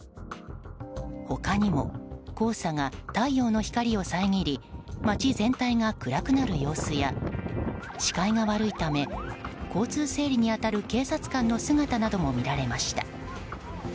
他にも、黄砂が太陽の光を遮り街全体が暗くなる様子や視界が悪いため交通整理に当たる警察官の姿なども見られました。